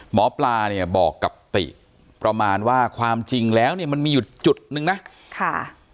หมอปลาบอกกับติประมาณว่าความจริงแล้วมันมีจุดนึงนะ